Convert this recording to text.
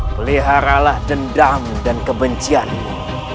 peliharalah dendam dan kebencianmu